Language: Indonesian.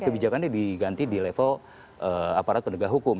kebijakan ini diganti di level aparat pendegah hukum